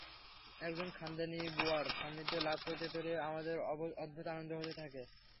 একজন খানদানি বুয়ার সান্নিধ্য লাভ করতে পেরে আমাদের অদ্ভুত আনন্দ হতে থাকে।